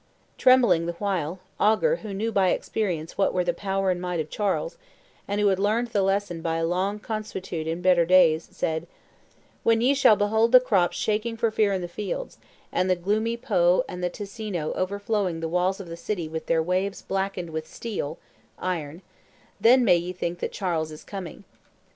Trembling the while, Ogger, who knew by experience what were the power and might of Charles, and who had learned the lesson by long consuetude in better days, then said, 'When ye shall behold the crops shaking for fear in the fields, and the gloomy Po and the Ticino overflowing the walls of the city with their waves blackened with steel (iron), then may ye think that Charles is coming.